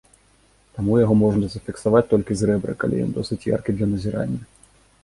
Таму яго можна зафіксаваць толькі з рэбры, калі ён досыць яркі для назірання.